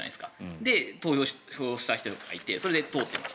で、投票した人がいてそれで通っていますと。